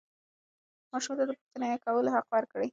ماشومانو ته د پوښتنې کولو حق ورکړئ.